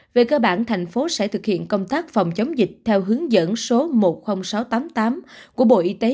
về cơ bản thành phố sẽ thực hiện công tác phòng chống dịch theo hướng dẫn số một mươi nghìn sáu trăm tám mươi tám của bộ y tế